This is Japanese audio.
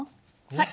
えっ？